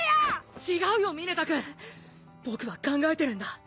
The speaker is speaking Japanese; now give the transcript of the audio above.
違うよ峰田君僕は考えてるんだ。